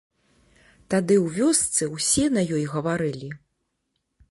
Тады ў вёсцы ўсе на ёй гаварылі.